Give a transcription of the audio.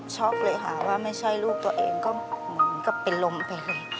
ช็อกเลยค่ะว่าไม่ใช่ลูกตัวเองก็เป็นลมไปเลย